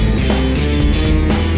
udah bocan mbak